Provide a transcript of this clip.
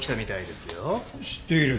知っている。